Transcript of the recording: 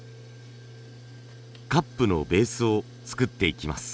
カップのベースを作っていきます。